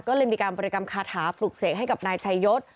ก็เลยมีการบริกรรมคาถาปลุกเสกให้กับนายชัยยศ